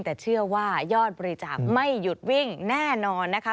แต่เชื่อว่ายอดบริจาคไม่หยุดวิ่งแน่นอนนะคะ